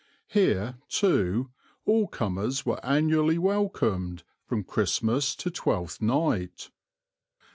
Here, too, all comers were annually welcomed, from Christmas to Twelfth Night.